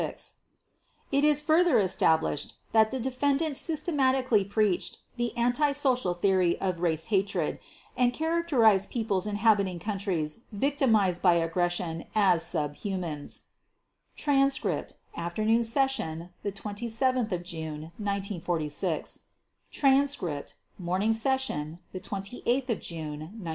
It is further established that the defendant systematically preached the anti social theory of race hatred and characterized peoples inhabiting countries victimized by aggression as "sub humans" (Transcript, Afternoon Session, 27 June 1946; Transcript, Morning Session, 28 June 1946).